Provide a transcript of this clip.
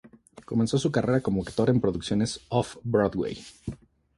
Comenzó su carrera como actor en producciones off-Broadway.